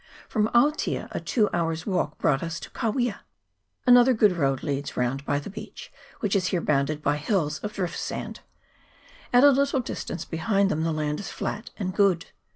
From Aotea a two hours' walk brought us to Kawia. Another good road leads round by the beach, which is here bounded by hills of drift sand. At a little distance behind them the land is flat and good.